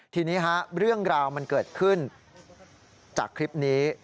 ทีนี้เรื่องราวมันเกิดขึ้นจากคลิปนี้